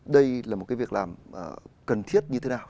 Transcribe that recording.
đây là một cái việc làm cần thiết như thế nào